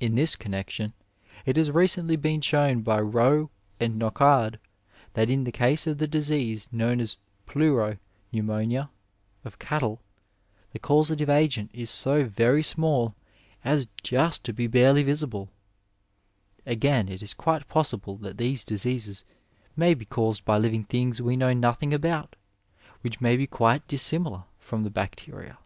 In this connexion it has recently been shown by Roux and Nocard that in the case of the disease known as pleuro pneumonia of cattle the causative agent is so very small as just to be barely visible. Again, it is quite possible • that these diseases may be caused by living things we know 246 Digitized by VjOOQiC MEDICINE IN THE NINETEENTH CENTURY nothing about, which may be quite dissimilar from the bacteria.